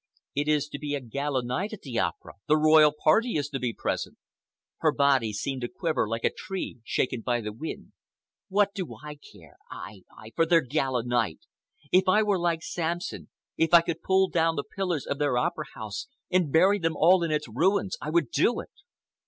It is to be a gala night at the Opera. The royal party is to be present." Her body seemed to quiver like a tree shaken by the wind. "What do I care—I—I—for their gala night! If I were like Samson, if I could pull down the pillars of their Opera House and bury them all in its ruins, I would do it!"